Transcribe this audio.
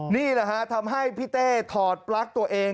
นี่แหละฮะทำให้พี่เต้ถอดปลั๊กตัวเอง